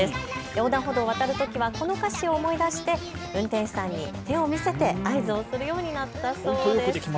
横断歩道を渡るときはこの歌詞を思い出して運転手さんに手を見せて合図をするようになったそうです。